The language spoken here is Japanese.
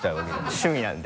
趣味なんで。